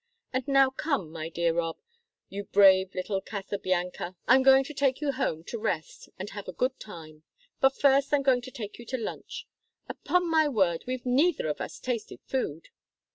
And now, come, my dear Rob, you brave little Casabianca; I'm going to take you home to rest and have a good time. But first I'm going to take you to lunch. Upon my word, we've neither of us tasted food!